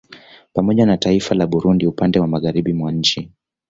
Pamoja na taiifa la Burundi upande Magharibi mwa nchi